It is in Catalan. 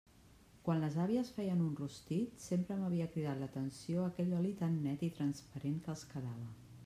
Quan les àvies feien un rostit, sempre m'havia cridat l'atenció aquell oli tan net i transparent que els quedava.